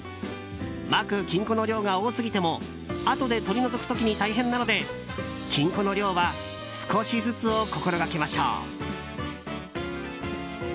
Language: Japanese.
まく金粉の量が多すぎてもあとで取り除くときに大変なので金粉の量は少しずつを心がけましょう。